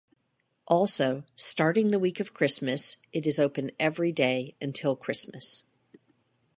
Also, starting the week of Christmas, it is open every day until Christmas.